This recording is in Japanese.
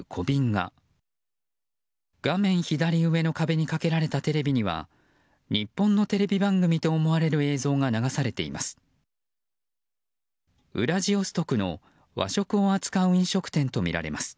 画面左上にかけられたテレビには日本のテレビ番組と思われる映像が流されています。